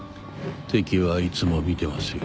敵はいつも見てますよ。